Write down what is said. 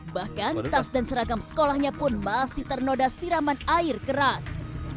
bahkan tas dan seragam sekolahnya pun masih ternoda siraman air keras